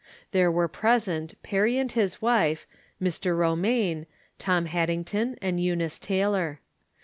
There were present Perry and his wife, Mr. Ro maine, Tom Haddington and Eunice Taylor.